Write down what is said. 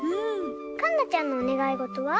かんなちゃんのおねがいごとは？